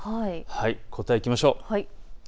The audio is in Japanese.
答え、いきましょう。